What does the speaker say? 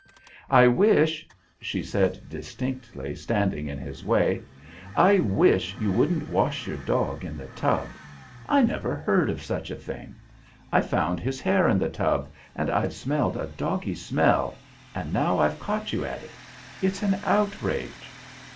"I wish," she said distinctly, standing in his way, "I wish you wouldn't wash your dog in the tub. I never heard of such a thing! I've found his hair in the tub, and I've smelled a doggy smell, and now I've caught you at it. It's an outrage!"